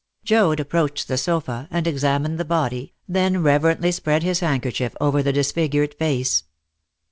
Joad approached the sofa and examined the body, then reverently spread his handkerchief over the disfigured face.